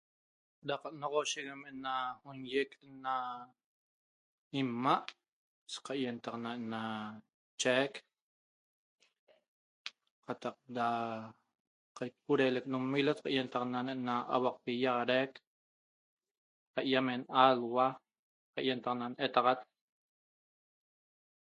Da canoxosheguem na noieq ena imaa' caientaxana ena chaeq , qataq da caipureleq ena nmilo caientaxana ena auaqpi iaxaraic caiamen aluaa' caientaxana ena etaxat